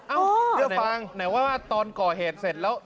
เอ้าเดี๋ยวฟังไหนว่าตอนก่อเหตุเสร็จแล้ว